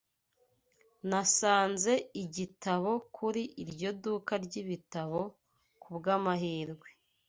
Nasanze igitabo kuri iryo duka ryibitabo kubwamahirwe.